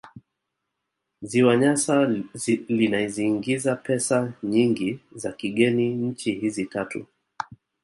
Ziwa Nyasa linzaiingizia pesa nyingi za kigeni nchi hizi tatu